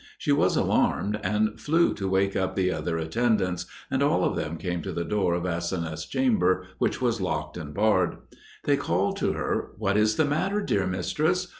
She was alarmed, and flew to wake up the other attendants, and all of them came to the door of Aseneth's chamber, which was locked and barred. They called to her, "What is the matter, dear mistress?